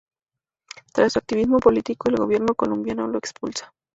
Tras su activismo político, el Gobierno colombiano los expulsa.